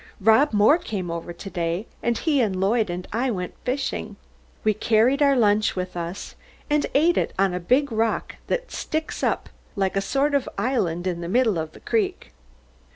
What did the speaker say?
Rob Moore came over to day, and he and Lloyd and I went fishing. We carried our lunch with us, and ate it on a big rock that sticks up like a sort of island in the middle of the creek.